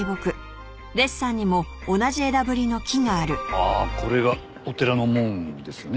あっこれがお寺の門ですね？